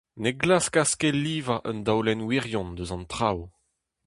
Ne glaskas ket livañ un daolenn wirion eus an traoù.